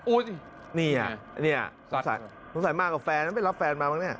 อู้ยนี่อะนี่อะสงสัยสงสัยมากเหมือนแฟนไม่ได้รับแฟนมาบ้างเนี่ย